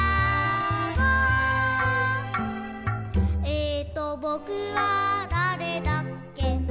「ええとぼくはだれだっけ」